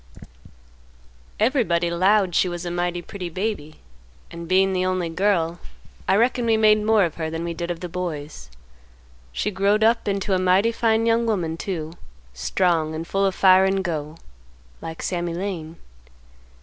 "Everybody 'lowed she was a mighty pretty baby, and, bein' the only girl, I reckon we made more of her than we did of the boys. She growed up into a mighty fine young woman too; strong, and full of fire and go, like Sammy Lane.